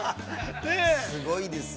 すごいですよ。